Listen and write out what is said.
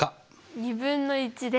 ２分の１です。